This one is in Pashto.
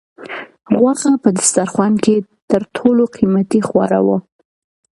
غوښه په دسترخوان کې تر ټولو قیمتي خواړه وو.